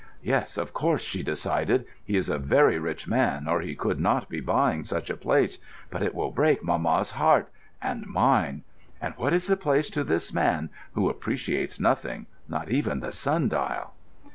("Yes, of course," she decided. "He is a very rich man, or he could not be buying such a place. But it will break mamma's heart—and mine. And what is the place to this man, who appreciates nothing—not even the sun dial?")